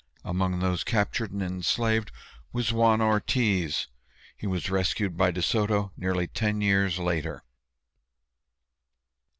Among those captured and enslaved was Juan Ortiz. He was rescued by De Soto nearly ten years later.